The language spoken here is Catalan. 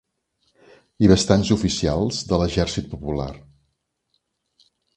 ...i bastants oficials de l'Exèrcit Popular